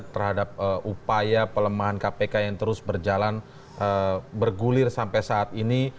terhadap upaya pelemahan kpk yang terus berjalan bergulir sampai saat ini